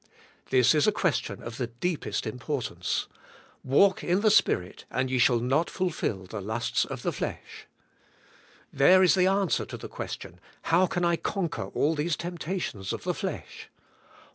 This is a question of the deepest importance. *'Walk in the Spirit and ye shall not fulfill the lusts of the flesh." There is the answer to the question, how can I conquer all these temptations of the flesh?